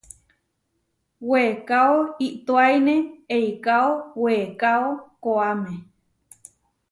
Weekáo iʼtoáine eikáo weekáo koʼáme.